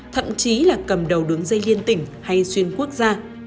thậm chí là cầm đầu đường dây liên tỉnh hay xuyên quốc gia